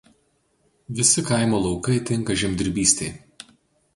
Visi kaimo laukai tinka žemdirbystei.